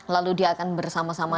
lalu dia akan bersama sama